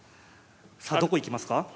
さあどこ行きますか？